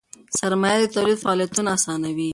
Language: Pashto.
سرمایه د تولید فعالیتونه آسانوي.